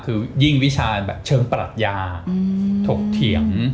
คือยิ่งวิชาณแบบเชิงปรัชญาถกเถียง